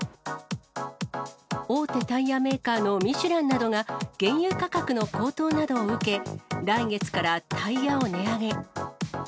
大手タイヤメーカーのミシュランなどが、原油価格の高騰などを受け、来月からタイヤを値上げ。